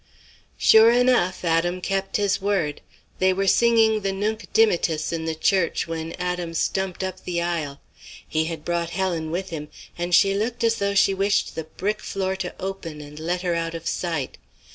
"Sure enough Adam kept his word. They were singing the Nunc Dimittis in the church when Adam stumped up the aisle. He had brought Helen with him, and she looked as though she wished the brick floor to open and let her out of sight.